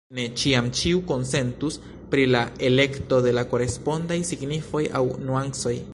Ne ĉiam ĉiu konsentus pri la elekto de la korespondaj signifoj aŭ nuancoj.